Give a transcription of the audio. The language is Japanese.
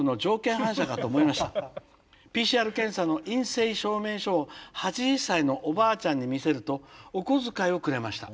ＰＣＲ検査の陰性証明書を８０歳のおばあちゃんに見せるとお小遣いをくれました。